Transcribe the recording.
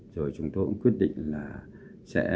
rồi chúng tôi cũng quyết định là sẽ